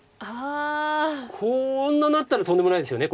こんななったらとんでもないですよね